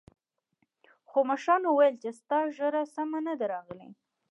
خو مشرانو ويل چې ستا ږيره سمه نه ده راغلې.